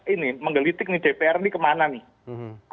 ini menggelitik nih dpr ini kemana nih